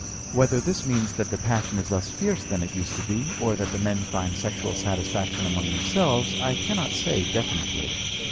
Whether this means that the passion is less fierce than it used to be, or that the men find sexual satisfaction among themselves, I cannot say definitely.